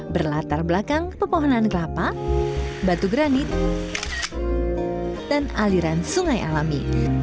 berlatar belakang pepohonan kelapa batu granit dan aliran sungai alami